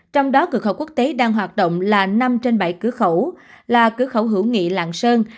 trong đó cửa khẩu quốc tế đang hoạt động là năm trên bảy cửa khẩu là cửa khẩu hữu nghị lạng sơn